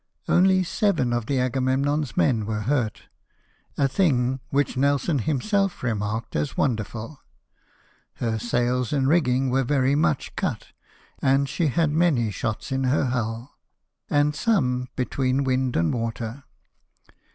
Only seven of the Agamemnon's men were hurt — a thing which Nelson himself remarked as wonderful; her sails and rigging Avere very much cut, and she had many shots in her huU, and some RENEWAL OF THE ENGAGEMENT. 79 between wind and Avater.